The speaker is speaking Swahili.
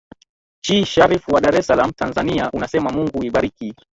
chi sharif wa dar es salaam tanzania unasema mungu ibariki